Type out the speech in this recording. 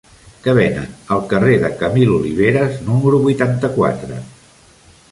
Què venen al carrer de Camil Oliveras número vuitanta-quatre?